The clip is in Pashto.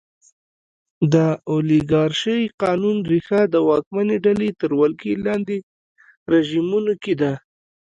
د اولیګارشۍ قانون ریښه د واکمنې ډلې تر ولکې لاندې رژیمونو کې ده.